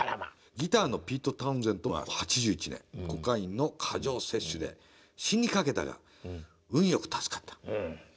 「ギターのピート・タウンゼントは８１年コカインの過剰摂取で死にかけたが運よく助かった」。